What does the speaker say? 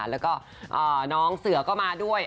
แล้วก็น้องเสือก็มาด้วย